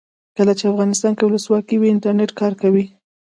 کله چې افغانستان کې ولسواکي وي انټرنیټ کار کوي.